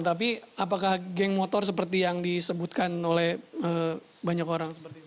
tapi apakah geng motor seperti yang disebutkan oleh banyak orang seperti itu